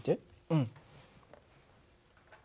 うん。